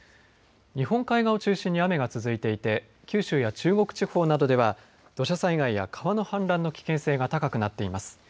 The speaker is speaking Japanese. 日本海側を中心に雨が続いていて、九州や中国地方などでは、土砂災害や川の氾濫の危険性が高くなっています。